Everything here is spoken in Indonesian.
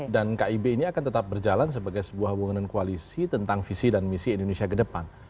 dan kib ini akan tetap berjalan sebagai sebuah hubungan koalisi tentang visi dan misi indonesia ke depan